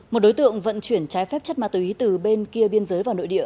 một đối tượng vận chuyển trái phép chất ma túy từ bên kia biên giới vào nội địa